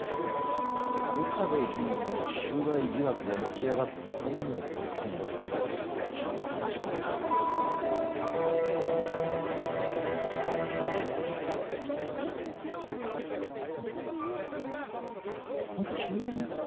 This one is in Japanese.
岡部議員の収賄疑惑が持ち上がったのも去年の９月ちょうど同じ頃だ何か何か怒ってるホントは知り合いなんじゃ